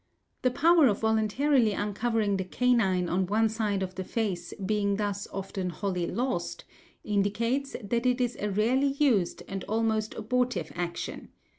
The power of voluntarily uncovering the canine on one side of the face being thus often wholly lost, indicates that it is a rarely used and almost abortive action.